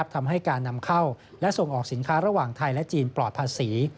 ทำให้การนำเข้าและส่งออกสินค้าระหว่างไทยและจีนปลอดภาษี